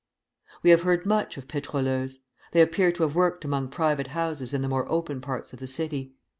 We have heard much of pétroleuses. They appear to have worked among private houses in the more open parts of the city.